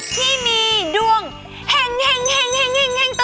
ที่มีดวงแห่งตลอดปี๕๙ค่ะ